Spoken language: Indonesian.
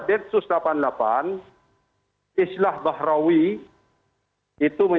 melihat apa yang terjadi di italia